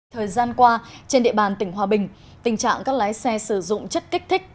thời gian qua trên địa bàn tỉnh hòa bình tình trạng các lái xe sử dụng chất kích thích